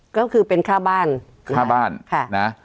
ก็คือเป็นค่าบ้าน